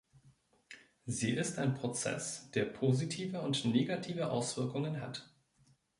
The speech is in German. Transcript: Sie ist ein Prozess, der positive und negative Auswirkungen hat.